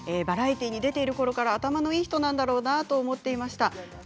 バラエティーに出ているころから頭のいい人なんだろうなと思っていました。